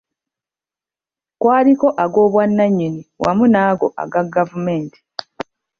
Kwaliko ag’obwannannyini wamu n’ago aga gavumenti.